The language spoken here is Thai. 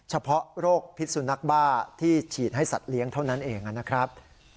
ให้สัตว์เลี้ยงเท่านั้นเองอ่ะนะครับ